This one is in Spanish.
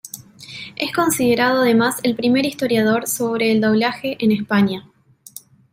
Es considerado además el primer historiador sobre el doblaje en España.